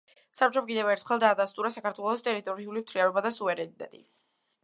საბჭომ, კიდევ ერთხელ დაადასტურა საქართველოს ტერიტორიული მთლიანობა და სუვერენიტეტი.